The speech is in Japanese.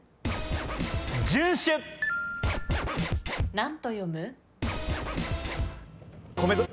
何と読む？